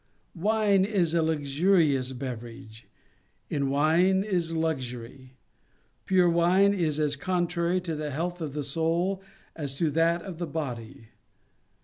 Wine is a luxurious beverage. In wine is luxury. Pure wine is as contrary to the health of the soul as to that of the body.